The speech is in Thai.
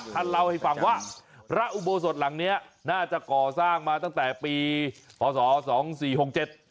ท่านเล่าให้ฟังว่าพระอุโบสถหลังเนี้ยน่าจะก่อสร้างมาตั้งแต่ปีพศสองสี่หกเจ็ด